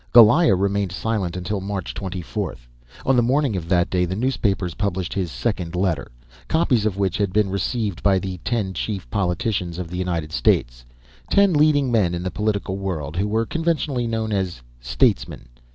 Goliah remained silent till March 24. On the morning of that day, the newspapers published his second letter, copies of which had been received by the ten chief politicians of the United States ten leading men in the political world who were conventionally known as "statesmen."